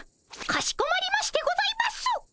かしこまりましてございます！